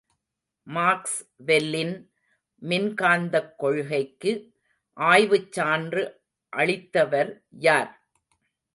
மாக்ஸ்வெல்லின் மின்காந்தக் கொள்கைக்கு ஆய்வுச் சான்று அளித்தவர் யார்?